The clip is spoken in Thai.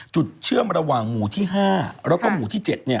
เชื่อมระหว่างหมู่ที่๕แล้วก็หมู่ที่๗